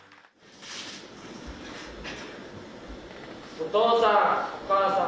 お父さんお母さん